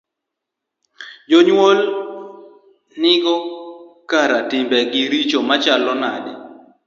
jonyuol nigo kara timbegi richo machalo nade?